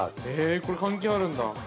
◆これ関係あるんだ。